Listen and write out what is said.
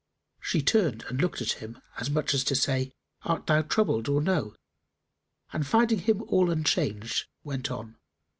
She turned and looked at him, as much as to say, "Art thou troubled or no?" and finding him all unchanged, went on.